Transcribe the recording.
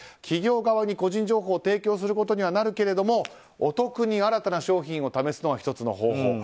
企業側に個人情報を提供することにはなるけれどもお得に新たな商品を試すのは１つの方法。